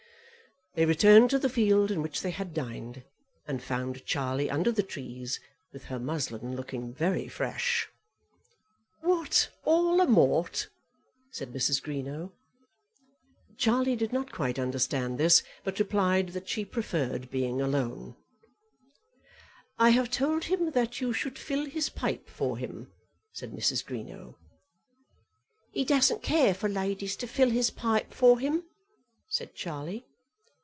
They returned to the field in which they had dined, and found Charlie under the trees, with her muslin looking very fresh. "What, all a mort?" said Mrs. Greenow. Charlie did not quite understand this, but replied that she preferred being alone. "I have told him that you should fill his pipe for him," said Mrs. Greenow. "He doesn't care for ladies to fill his pipe for him," said Charlie.